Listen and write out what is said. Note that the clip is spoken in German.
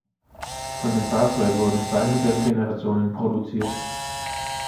Von dem Fahrzeug wurden zwei Modellgenerationen produziert.